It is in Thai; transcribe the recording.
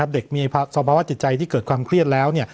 เด็กมีสภาวะจิตใจที่เกิดความเครียดแล้ว